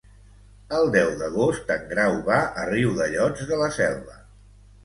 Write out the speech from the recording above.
El deu d'agost en Grau va a Riudellots de la Selva.